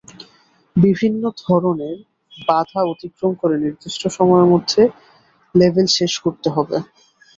বিভিন্ন ধররের বাধা অতিক্রম করে নির্দিষ্ট সময়ের মধ্যে লেভেল শেষ করতে হবে।